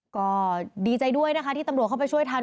ก็ดีใจด้วยนะคะที่ตำรวจเข้าไปช่วยทัน